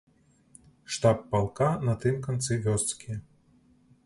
Штаб палка на тым канцы вёскі.